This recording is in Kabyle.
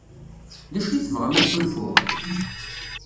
D acu ay tebɣam ad t-ḥulfuɣ?